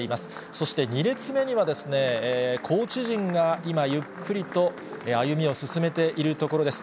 そして２列目にはですね、コーチ陣が今、ゆっくりと歩みを進めているところです。